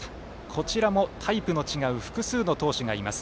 こちらも、タイプの違う複数の投手がいます。